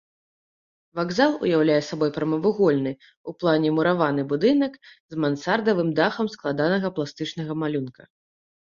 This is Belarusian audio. Вакзал уяўляе сабой прамавугольны ў плане мураваны будынак з мансардавым дахам складанага пластычнага малюнка.